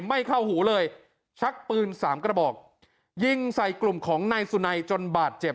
ไม่เข้าหูเลยชักปืนสามกระบอกยิงใส่กลุ่มของนายสุนัยจนบาดเจ็บ